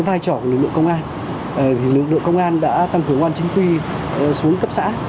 vai trò của lực lượng công an lực lượng công an đã tăng cường công an chính quy xuống cấp xã